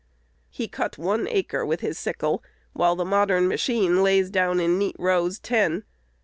He cut one acre with his sickle, while the modern machine lays down in neat rows ten.